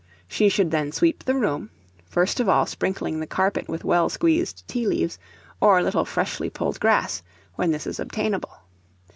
She should then sweep the room; first of all sprinkling the carpet with well squeezed tea leaves, or a little freshly pulled grass, when this is obtainable.